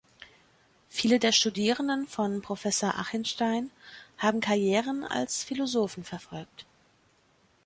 Viele der Studierenden von Professor Achinstein haben Karrieren als Philosophen verfolgt.